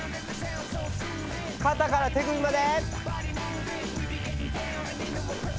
かたから手首まで。